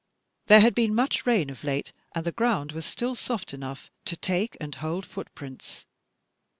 There had been much rain of late, and the ground was still soft enough to take and hold footprints.